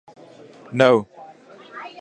Nasalization may be lost over time.